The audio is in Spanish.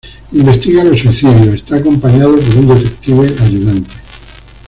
Investiga los suicidios; está acompañado por un detective ayudante.